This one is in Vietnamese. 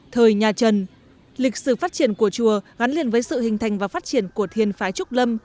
thời nhà trần lịch sử phát triển của chùa gắn liền với sự hình thành và phát triển của thiên phái trúc lâm